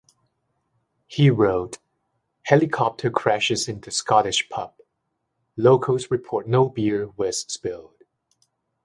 He wrote: Helicopter crashes into Scottish pub... Locals report no beer was spilled.